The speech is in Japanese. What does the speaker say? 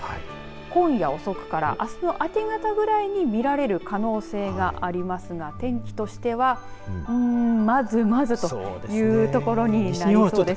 今夜遅くからあすの明け方くらいに見られる可能性がありますが天気としてはまずまずというところになりそうです。